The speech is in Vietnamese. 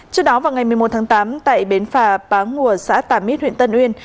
trước đó vào ngày một mươi một tháng tám tại bến phà bán ngùa xã tàm ít huyện tân uyên